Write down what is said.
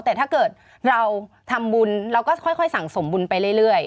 แต่ถ้าเกิดเราทำบุญเราก็ค่อยสั่งสมบุญไปเรื่อย